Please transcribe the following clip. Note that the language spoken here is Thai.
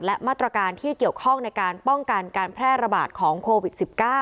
และมาตรการที่เกี่ยวข้องในการป้องกันการแพร่ระบาดของโควิด๑๙